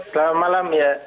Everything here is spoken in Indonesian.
selamat malam ya